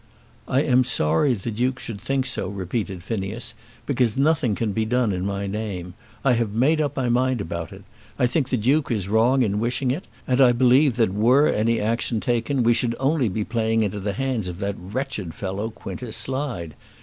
"I am sorry the Duke should think so," repeated Phineas, "because nothing can be done in my name. I have made up my mind about it. I think the Duke is wrong in wishing it, and I believe that were any action taken, we should only be playing into the hands of that wretched fellow, Quintus Slide.